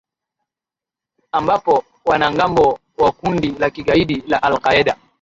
ambapo wanamgambo wa kundi la kigaidi la al qaeda